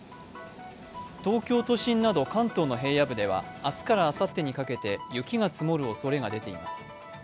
東京都心など関東の平野部では明日からあさってにかけて雪が積もるおそれが出ています。